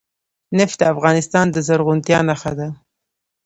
نفت د افغانستان د زرغونتیا نښه ده.